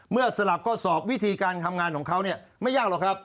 สลับข้อสอบวิธีการทำงานของเขาเนี่ยไม่ยากหรอกครับ